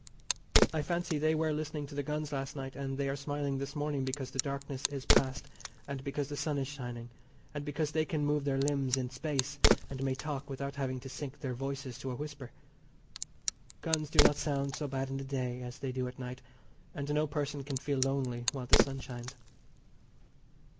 I fancy they were listening to the guns last night, and they are smiling this morning because the darkness is past, and because the sun is shining, and because they can move their limbs in space, and may talk without having to sink their voices to a whisper. Guns do not sound so bad in the day as they do at night, and no person can feel lonely while the sun shines.